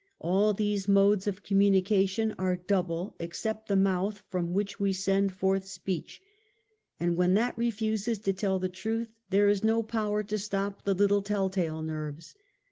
All these modes of communication are double, ex cept the mouth from which we send forth speech ; and when that refuses to tell the truth there is no power to stop the little tell tale nerves.